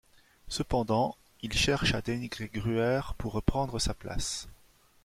Cependant, il cherche à dénigrer Gruer pour reprendre sa place.